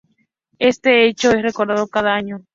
Este hecho es recordado cada año.